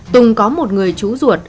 tùng có một người chú ruột